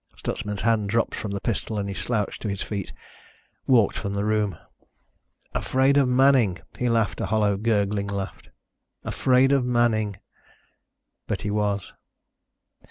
Stutsman's hand dropped from the pistol and he slouched to his feet, walked from the room. Afraid of Manning! He laughed, a hollow, gurgling laugh. Afraid of Manning! But he was.